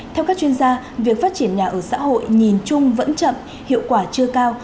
theo các chuyên gia việc phát triển nhà ở xã hội nhìn chung vẫn chậm hiệu quả chưa cao